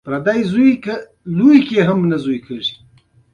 قانع کول تر ټولو لږ خطرناکه او ارزانه طریقه ده